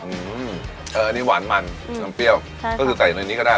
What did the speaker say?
อืมเอออันนี้หวานมันน้ำเปรี้ยวค่ะก็คือใส่ในนี้ก็ได้